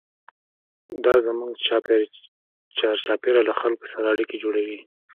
دا زموږ چارچاپېره له خلکو سره اړیکې جوړوي.